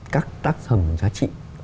các tác phẩm giá trị